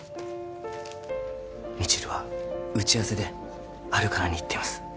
未知留は打ち合わせでハルカナに行っています